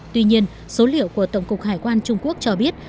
tuy nhiên số liệu của tổng cục hải quan trung quốc cho biết